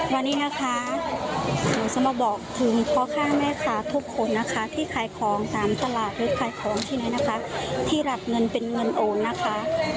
วันนี้นะคะหนูจะมาบอกถึงพ่อค้าแม่ค้าทุกคนนะคะที่ขายของตามตลาดหรือขายของที่ไหนนะคะที่รับเงินเป็นเงินโอนนะคะ